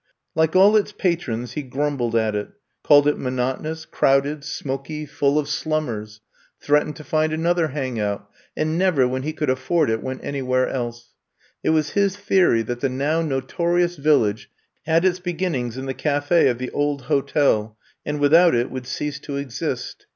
Like all its patrons he grumbled at it, called it monotonous, crowded, smoky, full 86 I'VE COMB TO STAY 87 of slummers; threatened to find another hangout, and never, when he could afford it, went anywhere else. It was his theory that the now notorious Village had its be ginnings in the cafe of the old hotel and without it, would cease to exist.